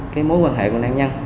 cái mối quan hệ của nạn nhân